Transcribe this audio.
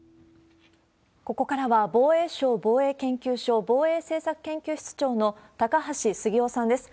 ここからは、防衛省防衛研究所防衛政策研究室長の高橋杉雄さんです。